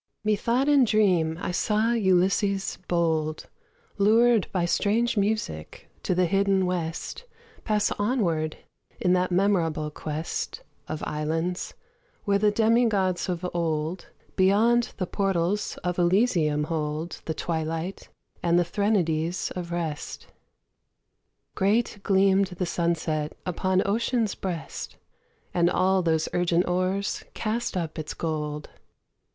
Methought in dream I saw Ulysses bold Lured by strange music to the hidden West Pass onward in that memorable quest Of islands where the demigods of old Beyond the portals of Elysium hold The twilight and the threnodies of rest. Great gleamed the sunset upon ocean's breast And all those urgent oars cast up its gold.